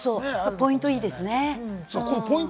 ポイント、いいですよね。